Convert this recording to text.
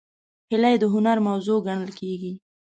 هیلۍ د هنر موضوع ګڼل کېږي